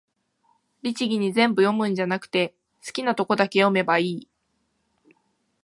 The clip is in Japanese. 律儀に全部読むんじゃなくて、好きなとこだけ読めばいい